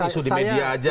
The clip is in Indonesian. isu di media aja